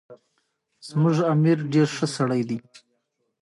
بېرته وګرځېد.